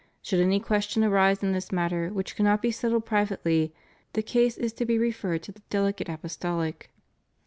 Should any question arise in this matter which cannot be settled pri vately, the case is to be referred to the Delegate Apostolic.